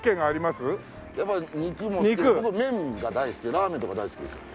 やっぱ肉も好き麺が大好きでラーメンとか大好きですよ。